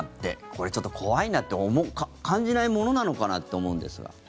これ、ちょっと怖いなって思う感じないものなのかなと思うんですが。